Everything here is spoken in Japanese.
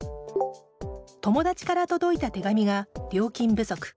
友達から届いた手紙が料金不足。